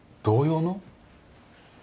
同様の？